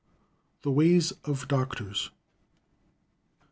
The Ways of Doctors.